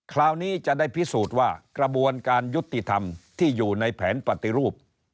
คราวนี้จะได้พิสูจน์ว่ากระบวนการยุติธรรมที่อยู่ในแผนปฏิรูป